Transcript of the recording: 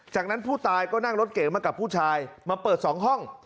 จากนั้นผู้ตายก็นั่งรถเก๋งมากับผู้ชายมาเปิด๒ห้อง